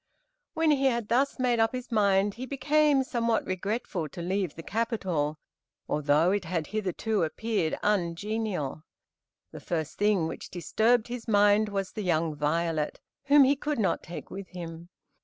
When he had thus made up his mind he became somewhat regretful to leave the capital, although it had hitherto appeared ungenial. The first thing which disturbed his mind was the young Violet, whom he could not take with him.